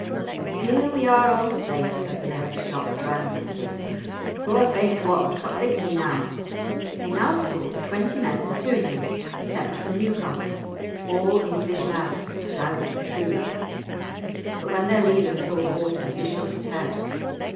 "Here we are all safe," said the Laird's Jock triumphantly. "Poor faint Wat, what think ye now?" They now saw twenty men pursuing them, sent from Newcastle, all English lads, stout and true. But when their leader saw the water he shook his head.